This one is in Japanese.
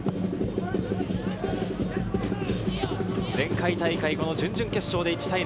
前回大会準々決勝で１対０。